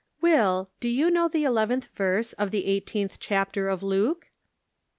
" Will, do you know the eleventh verse of the eighteenth chapter of Luke ?